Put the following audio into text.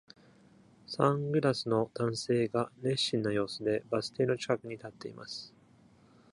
サングラスの男性が熱心な様子でバス停の近くに立っています。